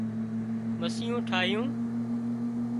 مسيون ٺاهيون